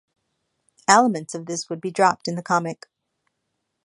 Elements of this would be dropped in the comic.